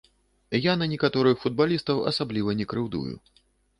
Я на некаторых футбалістаў асабліва і не крыўдую.